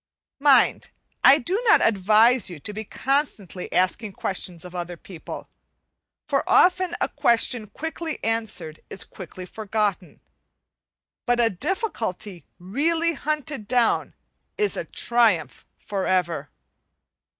Mind, I do not advise you to be constantly asking questions of other people; for often a question quickly answered is quickly forgotten, but a difficulty really hunted down is a triumph for ever.